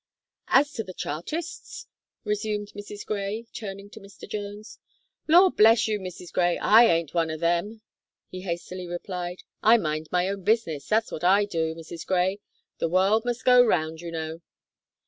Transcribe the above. "As to the Chartists?" resumed Mrs. Gray, turning to Mr. Jones. "Law bless you, Mrs. Gray, I ain't one of them!" he hastily replied. "I mind my own business that's what I do, Mrs. Gray. The world must go round, you know."